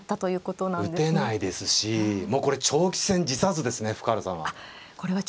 打てないですしもうこれ長期戦辞さずですね深浦さんは。